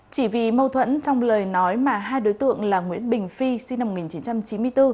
chỉ vì mâu thuẫn trong lời nói mà hai đối tượng là nguyễn bình phi sinh năm một nghìn chín trăm chín mươi bốn